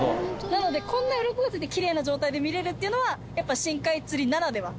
なのでこんなウロコがついてきれいな状態で見れるっていうのはやっぱ深海釣りならでは。